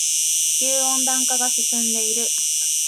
地球温暖化が進んでいる。